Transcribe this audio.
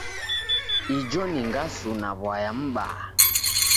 Ijo ni ngasu na w'aya m'baa.